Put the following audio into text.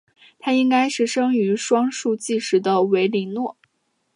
她应该是生于双树纪时的维林诺。